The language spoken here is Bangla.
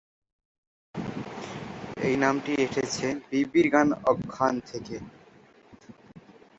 এই নামটি এসেছে "বিবির গান" আখ্যান থেকে।